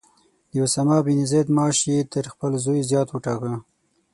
د اسامه بن زید معاش یې تر خپل زوی زیات وټاکه.